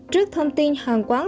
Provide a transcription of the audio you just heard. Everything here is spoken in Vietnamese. trước thông tin hàng quán